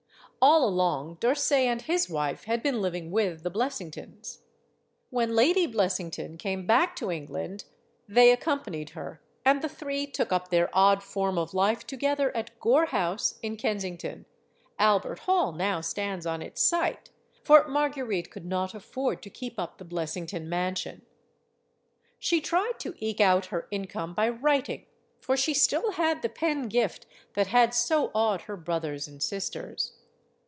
All along, D'Orsay and his wife had been living with the Blessingtons. When Lady Blessington came back to England, they accompanied her, and the three took up their odd form of life together at Gore House, in Kensington Albert Hall now stands on its site for Marguerite could not afford to keep up the Bles sington mansion. She tried to eke out her income by writing, for she still had the pen gift that had so awed her brothers and sisters.